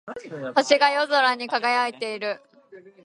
星が夜空に輝いている。